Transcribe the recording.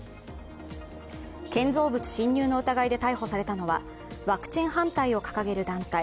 建造物侵入の疑いで逮捕されたのは、ワクチン反対を掲げる団体